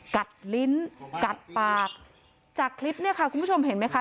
ลิ้นกัดปากจากคลิปเนี่ยค่ะคุณผู้ชมเห็นไหมคะ